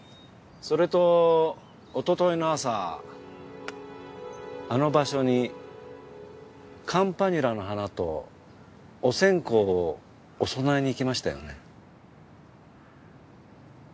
それとおとといの朝あの場所にカンパニュラの花とお線香をお供えに行きましたよね？